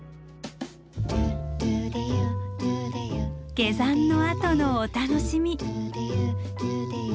下山のあとのお楽しみ。